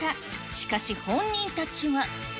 しかし、本人たちは。